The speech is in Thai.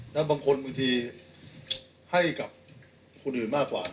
แล้วบางคนบางทีให้กับคนอื่นมากกว่า